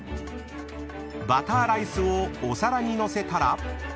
［バターライスをお皿に載せたら］